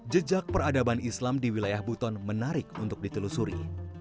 jejak peradaban islam di wilayah buton menarik untuk ditelusuri